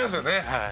はい。